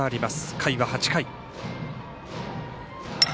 回は８回。